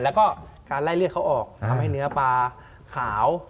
แล้วก็การไล่เลือดเขาออกทำให้เนื้อปลาขาว